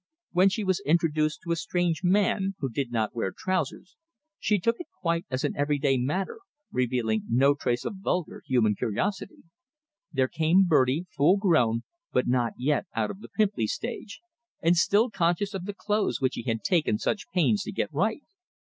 When she was introduced to a strange man who did not wear trousers, she took it quite as an everyday matter, revealing no trace of vulgar human curiosity. There came Bertie, full grown, but not yet out of the pimply stage, and still conscious of the clothes which he had taken such pains to get right.